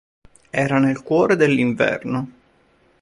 Era nel cuore dell'inverno.